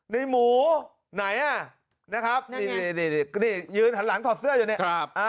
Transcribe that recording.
ในหมูไหนอ่ะนะครับนี่ยืนหันหลังถอดเสื้ออยู่เนี่ย